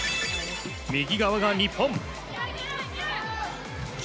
右側が日本。